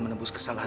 baru transaksi kita